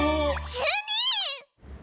主任！